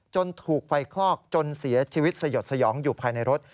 ถูกไฟคลอกจนเสียชีวิตสยดสยองอยู่ภายในรถ